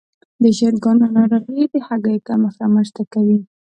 د چرګانو ناروغي د هګیو کمښت رامنځته کوي.